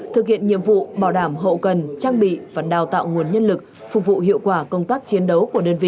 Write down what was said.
thực hiện nhiệm vụ bảo đảm hậu cần trang bị và đào tạo nguồn nhân lực phục vụ hiệu quả công tác chiến đấu của đơn vị